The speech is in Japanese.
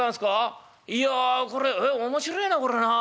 いやこれ面白えなこれな。